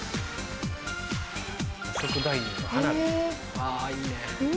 あぁいいね。